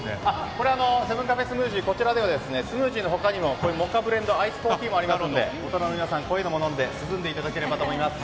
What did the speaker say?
これはセブンカフェスムージーでこちらではスムージーの他にもモカブレンドアイスコーヒーもありますので大人の皆さんはこういうものでも涼んでいただければと思います。